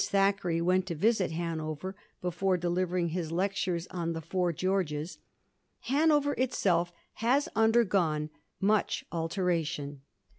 it, Thackeray went to visit Hanover before delivering his lectures on * The Four Greorges/ Hanover itself has undergone much alteration.